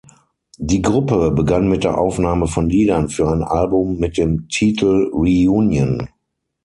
Die Gruppe begann mit der Aufnahme von Liedern für ein Album mit dem Titel „Reunion“.